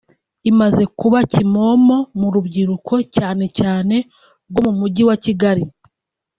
imaze kuba kimomo mu rubyiruko cyane cyane rwo mu Mujyi wa Kigali